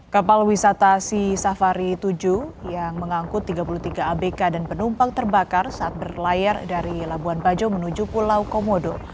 kapal wisata sisafari tujuh yang mengangkut tiga puluh tiga abk dan penumpang terbakar saat berlayar dari labuan bajo menuju pulau komodo